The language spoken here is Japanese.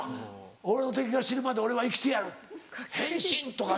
「俺の敵が死ぬまで俺は生きてやる変身！」とか。